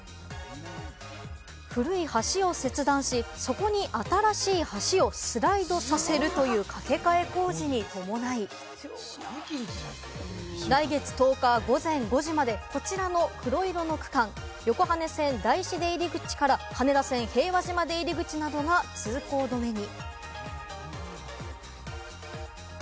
古い橋を切断し、そこに新しい橋をスライドさせるという架け替え工事に伴い、来月１０日午前５時までこちらの黒色の区間、横羽線・大師出入り口から羽田線平和島出入り口などが通行止めに。